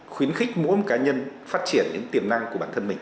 khuyến khích mỗi cá nhân phát triển những tiềm năng của bản thân mình